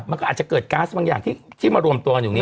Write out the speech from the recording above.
มันก็อาจจะเกิดก๊าซบางอย่างที่มารวมตัวกันอยู่อย่างนี้